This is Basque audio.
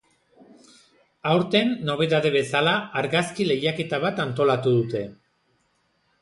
Aurten nobedade bezala argazki lehiaketa bat antolatu dute.